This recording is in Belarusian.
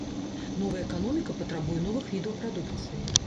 Новая эканоміка патрабуе новых відаў прадукцыі.